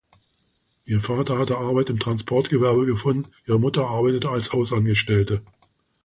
Ihr Vater hatte Arbeit im Transportgewerbe gefunden, ihre Mutter arbeitete als Hausangestellte.